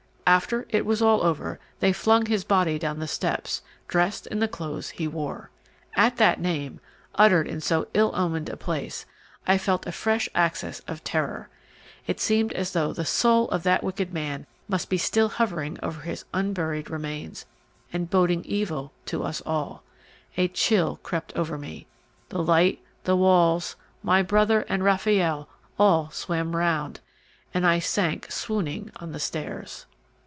After it was all over, they flung his body down the steps, dressed in the clothes he wore." At that name, uttered in so ill omened a place, I felt a fresh access of terror. It seemed as though the soul of that wicked man must be still hovering over his unburied remains, and boding evil to us all. A chill crept over me, the light, the walls, my brother, and Raffaelle all swam round, and I sank swooning on the stairs.